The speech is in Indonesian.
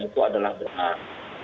itu adalah benar